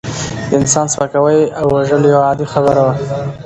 د انسان سپکاوی او وژل یوه عادي خبره وه.